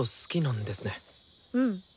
うん。